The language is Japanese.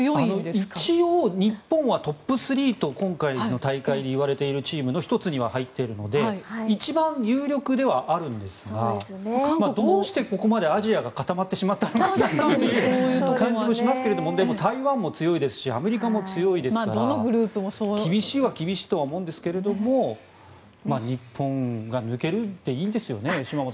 一応、日本はトップスリーと今大会で言われている１つにはなっているので一番有力ではあるんですがどうしてここまでアジアが固まってしまったのかという感じもしますがでも台湾も強いですしアメリカも強いですから厳しいは厳しいとは思うんですけど日本が抜けるでいいんですよね？